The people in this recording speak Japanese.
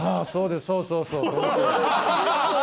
そうそうそうその通り。